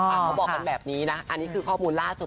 เขาบอกกันแบบนี้นะอันนี้คือข้อมูลล่าสุด